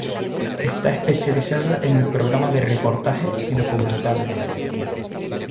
Está especializada en programas de reportaje y documentales.